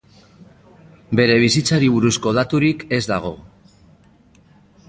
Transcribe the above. Bere bizitzari buruzko daturik ez dago.